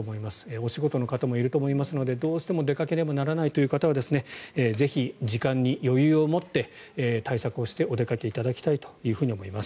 お仕事の方もいると思いますのでどうしても出かけねばならないという方はぜひ、時間に余裕を持って対策をしてお出かけいただきたいと思います。